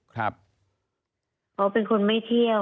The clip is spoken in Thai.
เขาเป็นคนไม่เที่ยว